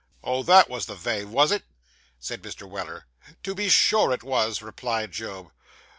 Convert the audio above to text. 'Oh, that was the vay, was it?' said Mr. Weller. 'To be sure it was,' replied Job.